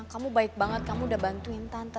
kamu baik banget kamu udah bantuin tante